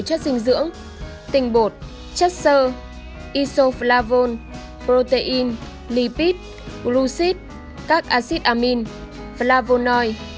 chất dinh dưỡng tinh bột chất sơ isoflavone protein lipid glucid các acid amine flavonoid